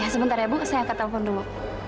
sebentar ibu saya angkat telepon dulu